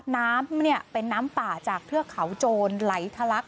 น้ำเนี่ยเป็นน้ำป่าจากเทือกเขาโจรไหลทะลัก